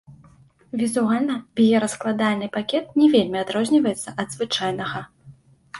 Візуальна біяраскладальны пакет не вельмі адрозніваецца ад звычайнага.